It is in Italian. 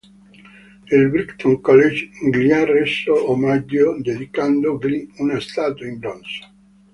Il Brighton College gli ha reso omaggio dedicandogli una statua in bronzo.